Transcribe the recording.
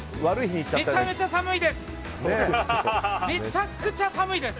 めちゃめちゃ寒いです！